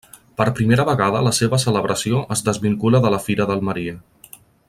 Per primera vegada la seva celebració es desvincula de la Fira d'Almeria.